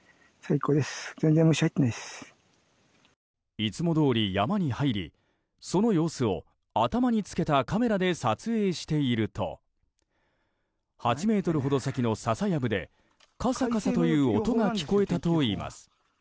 いつもどおり山に入りその様子を頭に付けたカメラで撮影していると８ｍほど先の、ささやぶでカサカサという音が聞こえたといいます。